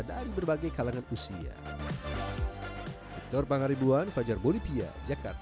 dari berbagai kalangan usia victor pangaribuan fajar bolivia jakarta